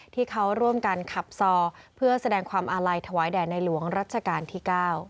ที่เขาร่วมกันขับซอเพื่อแสดงความอาลัยถวายแด่ในหลวงรัชกาลที่๙